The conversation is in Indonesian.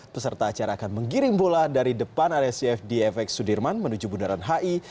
peserta acara akan menggiring bola dari depan arecf di fx sudirman menuju bundaran hi